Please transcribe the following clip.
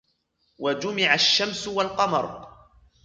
وَجُمِعَ الشَّمْسُ وَالْقَمَرُ